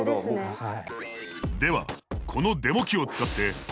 はい。